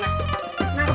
nangkep si tusi liman dulu